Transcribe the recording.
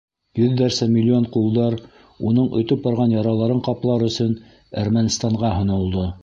Йөҙҙәрсә миллион ҡулдар, уның өтөп барған яраларын ҡаплар өсөн, Әрмәнстанға һонолдо.